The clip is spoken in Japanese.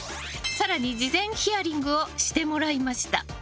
更に、事前ヒヤリングをしてもらいました。